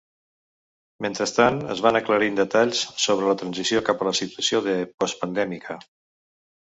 Mentrestant, es van aclarint detalls sobre la transició cap a la situació de postpandèmica.